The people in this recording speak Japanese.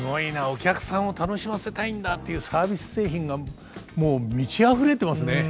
お客さんを楽しませたいんだっていうサービス精神がもう満ちあふれてますね。